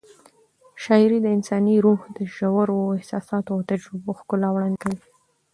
شاعري د انساني روح د ژورو احساساتو او تجربو ښکلا وړاندې کوي.